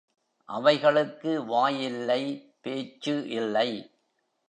அவைகளுக்கு வாய் இல்லை பேச்சு இல்லை.